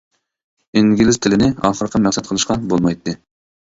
ئىنگلىز تىلىنى ئاخىرقى مەقسەت قىلىشقا بولمايتتى.